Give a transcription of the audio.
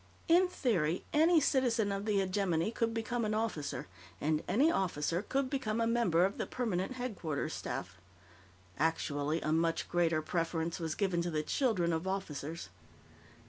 In theory, any citizen of the Hegemony could become an officer, and any officer could become a member of the Permanent Headquarters Staff. Actually, a much greater preference was given to the children of officers.